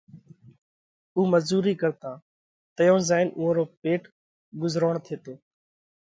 ان مزُورئِي ڪرتا تئيون زائينَ اُوئون رو پيٽ ڳُزروڻ ٿيتو۔